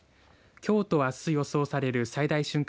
きょうとあす予想される最大瞬間